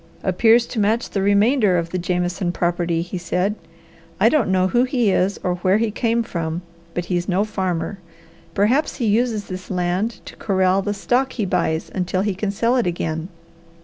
"Appears to match the remainder of the Jameson property," he said. "I don't know who he is or where he came from, but he's no farmer. Perhaps he uses this land to corral the stock he buys until he can sell it again."